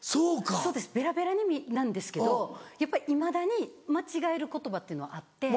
そうですベラベラなんですけどやっぱりいまだに間違える言葉っていうのあって。